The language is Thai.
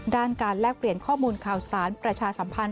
ด้านการแลกเปลี่ยนข้อมูลข่าวสารประชาสัมพันธ